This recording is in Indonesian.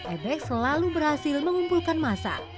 ebek selalu berhasil mengumpulkan masa